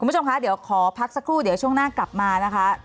คุณผู้ชมคะเดี๋ยวขอพักสักครู่เดี๋ยวช่วงหน้ากลับมานะคะ